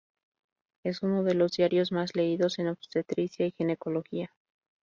Es uno de los diarios más leídos en obstetricia y ginecología.